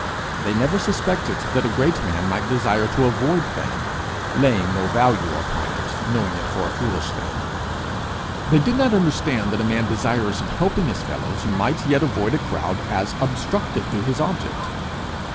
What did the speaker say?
They never suspected that a great man might desire to avoid fame, laying no value upon it, knowing it for a foolish thing. They did not understand that a man desirous of helping his fellows might yet avoid a crowd as obstructive to his object.